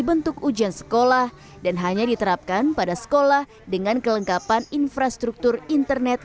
bentuk ujian sekolah dan hanya diterapkan pada sekolah dengan kelengkapan infrastruktur internet